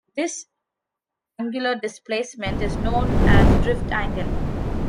This angular displacement is known as drift angle.